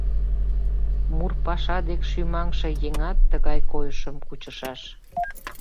Мурпаша дек шӱмаҥше еҥат тыгай койышым кучышаш.